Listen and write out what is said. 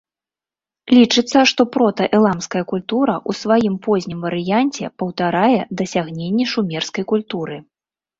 Лічыцца, што прота-эламская культура ў сваім познім варыянце паўтарае дасягненні шумерскай культуры.